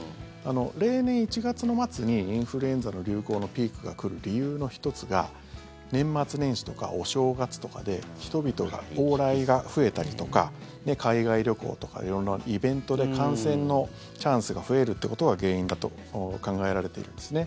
例年、１月の末にインフルエンザの流行のピークが来る理由の１つが年末年始とかお正月とかで人々が、往来が増えたりとか海外旅行とか色んなイベントで感染のチャンスが増えるってことが原因だと考えられているんですね。